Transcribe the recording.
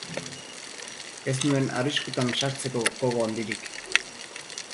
Ez nuen arriskutan sartzeko gogo handirik.